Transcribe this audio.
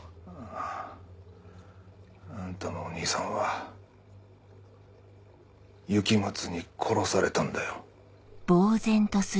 あぁ。あんたのお兄さんは雪松に殺されたんだよ。